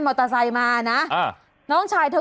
คุณผู้ชมไปดูอีกหนึ่งเรื่องนะคะครับ